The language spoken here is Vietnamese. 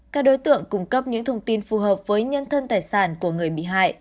các đối tượng cung cấp những thông tin phù hợp với nhân thân tài sản của người bị hại